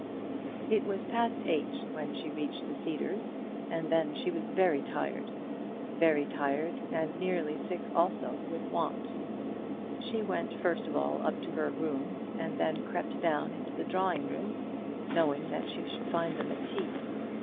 It was past eight when she reached the Cedars, and then she was very tired, very tired and nearly sick also with want. She went first of all up to her room, and then crept down into the drawing room, knowing that she should find them at tea.